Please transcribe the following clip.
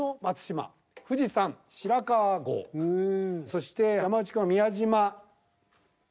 そして山内くんは「宮島」。